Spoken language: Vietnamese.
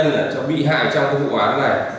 làn nhân bị hại trong vụ án này